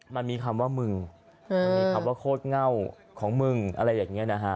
มันมีคำว่ามึงมันมีคำว่าโคตรเง่าของมึงอะไรอย่างนี้นะฮะ